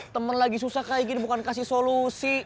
temen lagi susah kayak gini bukan kasih solusi